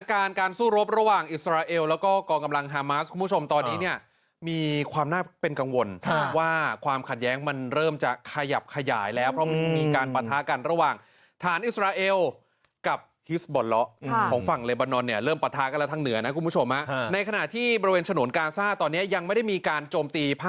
การการสู้รบระหว่างอิสราเอลแล้วก็กองกำลังฮามาสคุณผู้ชมตอนนี้เนี่ยมีความน่าเป็นกังวลว่าความขัดแย้งมันเริ่มจะขยับขยายแล้วเพราะมันมีการปะทะกันระหว่างฐานอิสราเอลกับฮิสบอลเลาะของฝั่งเลบานอนเนี่ยเริ่มปะทะกันแล้วทางเหนือนะคุณผู้ชมในขณะที่บริเวณฉนวนกาซ่าตอนนี้ยังไม่ได้มีการโจมตี